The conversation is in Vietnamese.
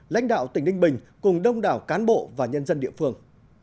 lãnh đạo tỉnh ninh bình cùng đông đảo cán bộ và nhân dân địa phương